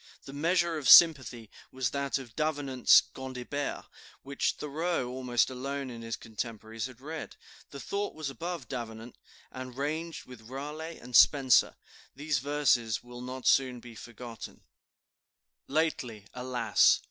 The measure of "Sympathy" was that of Davenant's "Gondibert," which Thoreau, almost alone of his contemporaries, had read; the thought was above Davenant, and ranged with Raleigh and Spenser. These verses will not soon be forgotten: "Lately, alas!